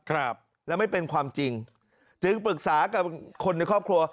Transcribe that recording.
ครับแล้วไม่เป็นความจริงจึงปรึกษากับคนในครอบครัว